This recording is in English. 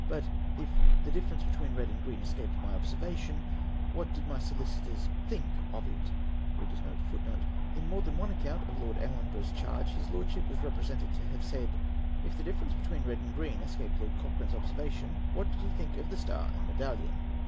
But " if the difference between red and green escaped my observation," what did my solicitors "think"* of it? My accusers chiefly depended for my conviction * In more thau one account of Lord Ellenborongh's cliarge, his Lord ship was represented to have said, "If the difference between red and g roen escaped Lord Cochrane's observation, what did he think of the star and medallion